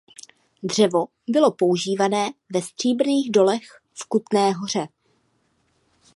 Dřevo bylo používané ve stříbrných dolech v Kutné Hoře.